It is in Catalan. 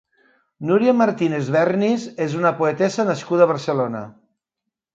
Núria Martínez-Vernis és una poetessa nascuda a Barcelona.